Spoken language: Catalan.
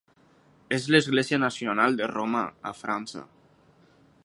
És l'església nacional de Roma a França.